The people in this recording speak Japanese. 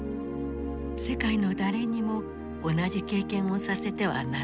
世界の誰にも同じ経験をさせてはならない。